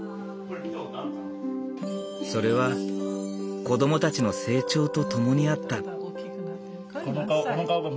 それは子供たちの成長とともにあった。